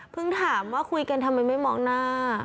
ถามว่าคุยกันทำไมไม่มองหน้า